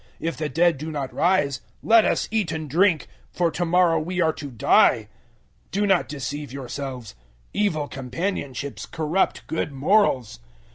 If the dead do not rise, let us eat and drink, for tomorrow we are to die. 015:033 Do not deceive yourselves: "Evil companionships corrupt good morals."